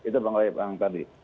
itu yang saya ingin mengatakan tadi